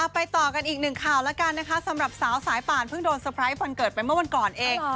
ไปต่อกันอีก๑คร่าวละกันสำหรับสาวสายป่านเพื้งโดนสปรายวันเกิดไปเมื่อวันก่อนเอง